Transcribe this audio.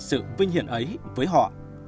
sự vinh hiển ấy với họ